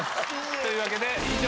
というわけで以上。